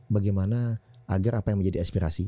bagaimana agar apa yang menjadi aspirasi